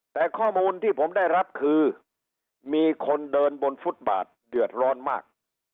แต่ข้อมูลที่ผมได้รับคือมีคนเดินบนฟุตบาทเดือดร้อนมาก